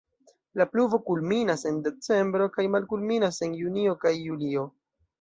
La pluvo kulminas en decembro kaj malkulminas en junio kaj julio.